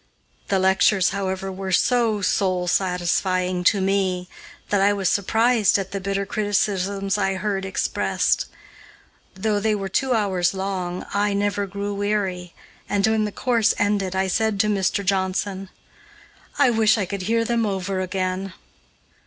The lectures, however, were so soul satisfying to me that I was surprised at the bitter criticisms I heard expressed. Though they were two hours long, I never grew weary, and, when the course ended, I said to Mr. Johnson: "I wish I could hear them over again."